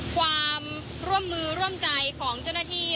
ความร่วมมือร่วมใจของเจ้าหน้าที่